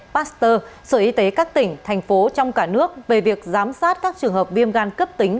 pasteur sở y tế các tỉnh thành phố trong cả nước về việc giám sát các trường hợp viêm gan cấp tính